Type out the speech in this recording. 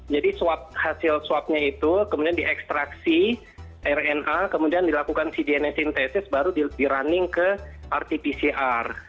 jadi hasil swabnya itu kemudian diekstraksi rna kemudian dilakukan cdna sintesis baru dirunning ke rt pcr